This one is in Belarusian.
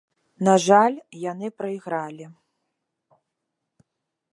На жаль, яны прайгралі.